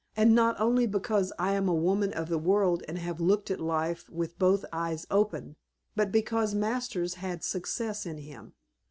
"And not only because I am a woman of the world and have looked at life with both eyes open, but because Masters had success in him.